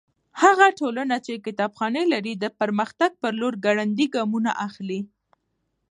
هغه ټولنه چې کتابخانې لري د پرمختګ په لور ګړندي ګامونه اخلي.